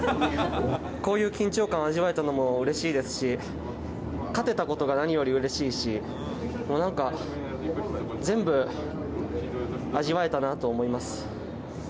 こういう緊張感を味わえたのもうれしいですし、勝てたことが何よりうれしいし、もうなんか、全部、味わえたなと思います。